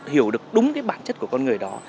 hiểu được đúng bản chất của con người đó